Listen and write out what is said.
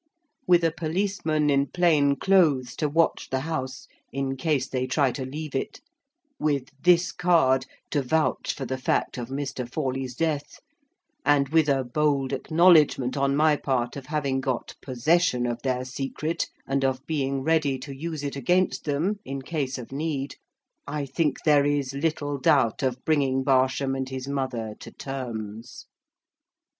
With a policeman in plain clothes to watch the house, in case they try to leave it; with this card to vouch for the fact of Mr. Forley's death; and with a bold acknowledgment on my part of having got possession of their secret, and of being ready to use it against them in case of need, I think there is little doubt of bringing Barsham and his mother to terms.